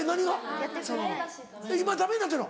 今ダメになってるの？